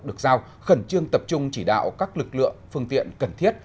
được giao khẩn trương tập trung chỉ đạo các lực lượng phương tiện cần thiết